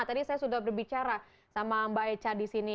tadi saya sudah berbicara sama mbak echa disini